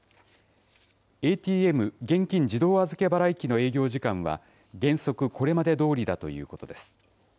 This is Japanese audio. ＡＴＭ・現金自動預払機の営業時間は、原則これまでどおりだということです。